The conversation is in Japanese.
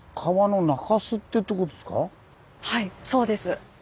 はいそうです。